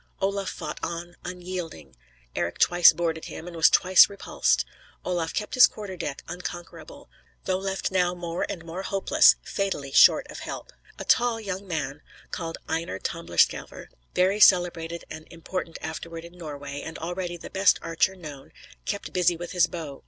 Olaf fought on unyielding. Eric twice boarded him, was twice repulsed. Olaf kept his quarter deck; unconquerable, though left now more and more hopeless, fatally short of help. A tall young man, called Einar Tamberskelver, very celebrated and important afterward in Norway, and already the best archer known, kept busy with his bow.